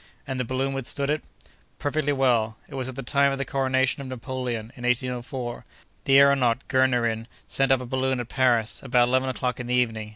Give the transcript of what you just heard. "And the balloon withstood it?" "Perfectly well. It was at the time of the coronation of Napoleon, in 1804. The aëronaut, Gernerin, sent up a balloon at Paris, about eleven o'clock in the evening.